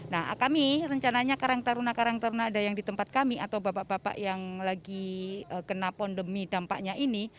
nah kami rencananya karang taruna karang tarunada yang di tempat kami atau bapak bapak yang lagi kena pandemi dampaknya ini